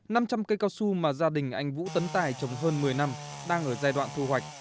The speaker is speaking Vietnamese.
năm trăm cây cao su mà gia đình anh vũ tấn tài trồng hơn một mươi năm đang ở giai đoạn thu hoạch